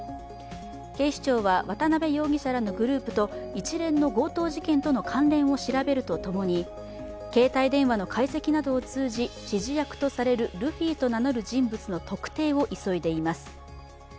警視庁は、渡辺容疑者らのグループと一連の強盗事件との関連を調べるとともに携帯電話の解析などを通じ指示役とされるルフィと名乗る人物の特定を急いでいます。